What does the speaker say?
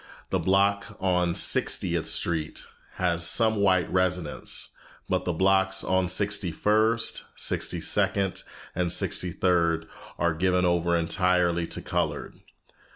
The block on Sixtieth Street has some white residents, but the blocks on Sixty first, Sixty second, and Sixty third are given over entirely to colored.